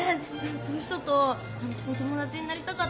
そういう人とお友達になりたかったんですよ。